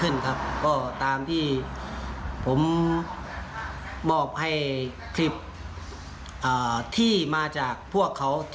น่าจะค่ะ